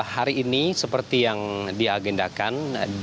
hari ini seperti yang diagendakan